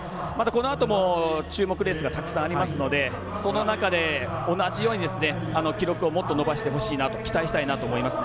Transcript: このあとも注目レースがたくさんありますのでその中で同じように記録をもっと伸ばしてほしいなと期待したいなと思います。